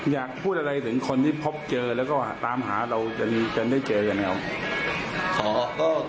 อยากพูดอะไรถึงคนที่พบเจอแล้วก็ตามหาเราจนได้เจอกันนะครับ